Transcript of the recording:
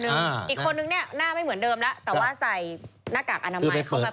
อีกคนนึงเนี่ยหน้าไม่เหมือนเดิมแล้วแต่ว่าใส่หน้ากากอนามัยเข้าไป